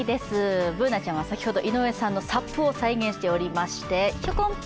Ｂｏｏｎａちゃんは先ほど井上さんのＳＵＰを再現しておりましてヒョコン！